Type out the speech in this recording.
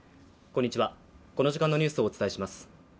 こんにちはこの時間のニュースをお伝えします